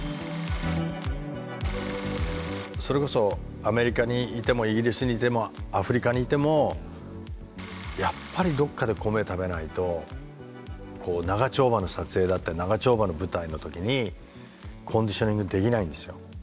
それこそアメリカにいてもイギリスにいてもアフリカにいてもやっぱりどっかで米食べないと長丁場の撮影だったり長丁場の舞台の時にコンディショニングできないんですよ。